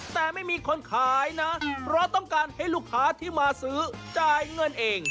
เพราะต้องการให้ลูกค้าที่มาซื้อจ่ายเงินเอง